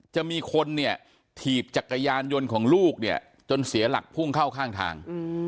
จะมีคนเนี่ยถีบจักรยานยนต์ของลูกเนี่ยจนเสียหลักพุ่งเข้าข้างทาง